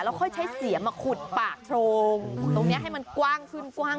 แล้วค่อยใช้เสียมาขุดปากโพรงตรงนี้ให้มันกว้างขึ้น